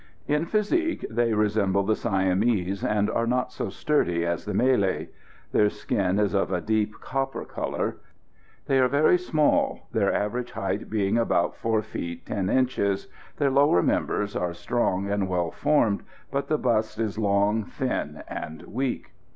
In physique they resemble the Siamese, and are not so sturdy as the Malay. Their skin is of a deep copper colour. They are very small, their average height being about 4 feet 10 inches. Their lower members are strong and well formed, but the bust is long, thin and weak.